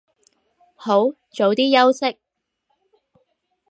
好，早啲休息